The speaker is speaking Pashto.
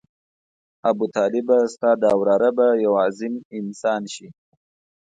ابوطالبه ستا دا وراره به یو عظیم انسان شي.